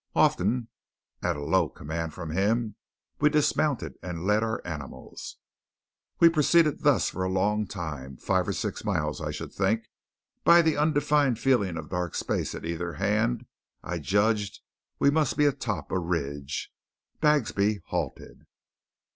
Often, at a low command from him, we dismounted and led our animals. We proceeded thus for a long time five or six miles, I should think. By the undefined feeling of dark space at either hand I judged we must be atop a ridge. Bagsby halted.